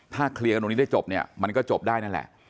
ถ้าเคลียร์กันตรงนี้ได้จบเนี่ยมันก็จบได้นั่นแหละ